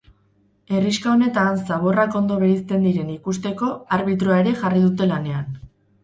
Herrixka honetan, zaborrak ondo bereizten diren ikusteko arbitroa ere jarri dute lanean.